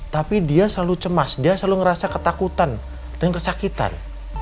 tapi dia selalu cemas dia selalu ngerasa ketakutan dan kesakitan